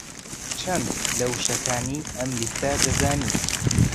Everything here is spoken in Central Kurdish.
چەند لە وشەکانی ئەم لیستە دەزانیت؟